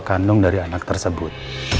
kandung dari anak tersebut